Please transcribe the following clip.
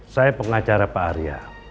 saya pengacara pak arya